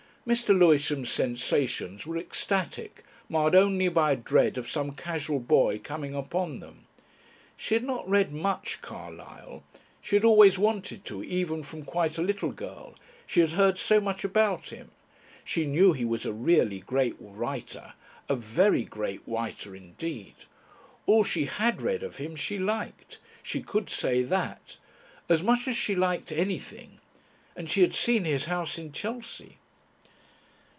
Mr. Lewisham's sensations were ecstatic, marred only by a dread of some casual boy coming upon them. She had not read much Carlyle. She had always wanted to, even from quite a little girl she had heard so much about him. She knew he was a Really Great Writer, a very Great Writer indeed. All she had read of him she liked. She could say that. As much as she liked anything. And she had seen his house in Chelsea.